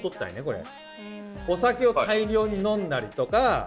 これ。